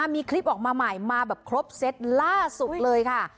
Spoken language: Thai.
มีคลิปออกมาใหม่มาแบบครบเซตล่าสุดเลยค่ะ